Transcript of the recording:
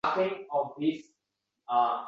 Pul boʻlishi bilan birinchi boʻlib siznikini beraman